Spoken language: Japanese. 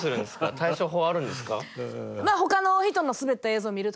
対処法はあるんですか？